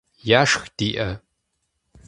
Яшх диӏэ?